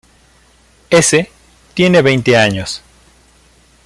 S. tiene veinte años.